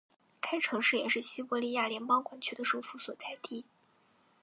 该城市也是西伯利亚联邦管区的首府所在地。